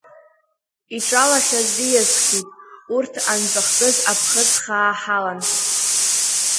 Иҿалахьаз ииасхьеит, урҭ анҵәахтәыз аԥхыӡ хаа ҳалан…